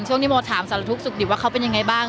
โมถามสารทุกข์สุขดิบว่าเขาเป็นยังไงบ้าง